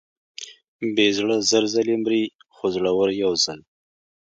بې زړه زر ځلې مري، خو زړور یو ځل.